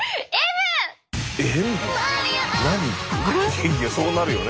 いやいやそうなるよね。